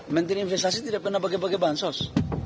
menteri investasi tidak pernah pakai pakai bahan sos